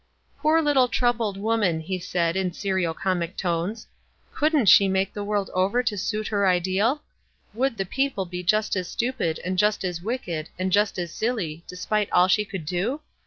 "Poor little troubled woman!" he said, in serio comic tones, " couldn't she make the w T orld over to suit her ideal? Would the people be just as stupid, and just as wicked, and just as silly, despite all she could do?